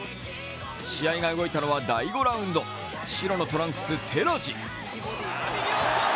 試合が動いたのは第５ラウンド、白のトランクス、寺地。